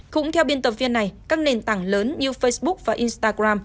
cũng theo biên tập viên này các nền tảng lớn như facebook và instagram